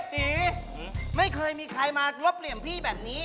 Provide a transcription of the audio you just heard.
ตีไม่เคยมีใครมาลบเหลี่ยมพี่แบบนี้